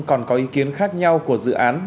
còn có ý kiến khác nhau của dự án